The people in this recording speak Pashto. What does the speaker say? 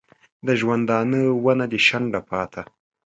د ژوندانه ونه دي شنډه پاته